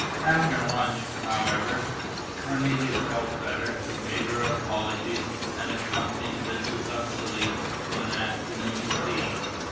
After lunch, however, Cornélie felt better, made her apologies and accompanied Mrs. Uxeley to an afternoon tea.